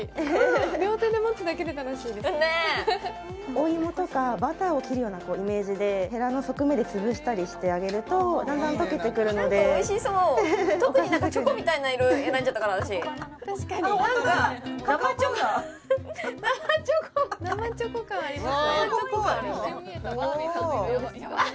お芋とかバターを切るようなイメージでヘラの側面で潰したりしてあげるとだんだん溶けてくるので特に何かチョコみたいな色選んじゃったから私確かに本当だカカオパウダー生チョコ感ありますねああ